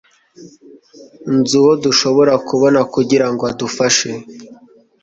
Nzi uwo dushobora kubona kugirango adufashe